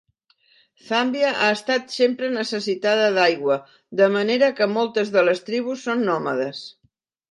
Zàmbia ha estat sempre necessitada d'aigua, de manera que moltes de les tribus són nòmades.